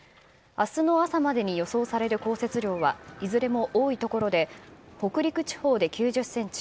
明日の朝までに予想される降雪量はいずれも多いところで北陸地方で９０ｃｍ